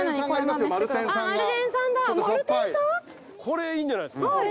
これいいんじゃないっすか？